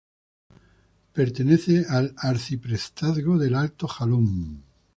Pertenece al Arciprestazgo del Alto Jalón.